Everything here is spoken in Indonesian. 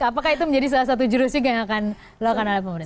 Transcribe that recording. apakah itu menjadi salah satu jurusik yang akan dilakukan oleh pemerintah